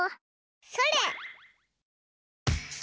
それ！